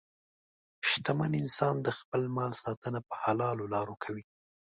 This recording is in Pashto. شتمن انسان د خپل مال ساتنه په حلالو لارو کوي.